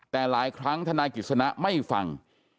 แต่หลายครั้งธนายกิจสนะไม่ฟัง